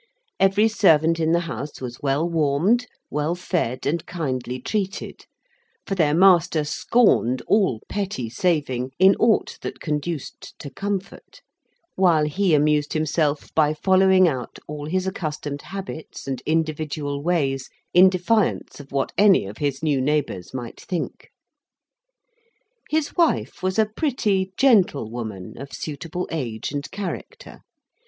Every servant in the house was well warmed, well fed, and kindly treated; for their master scorned all petty saving in aught that conduced to comfort; while he amused himself by following out all his accustomed habits and individual ways in defiance of what any of his new neighbours might think. His wife was a pretty, gentle woman, of suitable age and character.